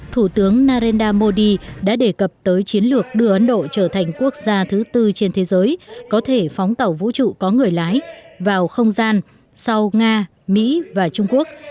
thủ tướng narendra modi đã đề cập tới chiến lược đưa ấn độ trở thành quốc gia thứ tư trên thế giới có thể phóng tàu vũ trụ có người lái vào không gian sau nga mỹ và trung quốc